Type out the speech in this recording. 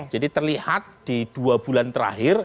jadi terlihat di dua bulan terakhir